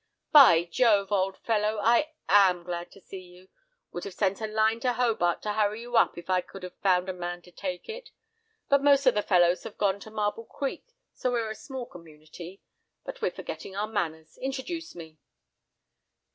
"By Jove! old fellow. I am so glad to see you. Would have sent a line to Hobart to hurry you up, if I could have found a man to take it. But most of the fellows have gone to Marble Creek, so we're a small community. But we're forgetting our manners. Introduce me."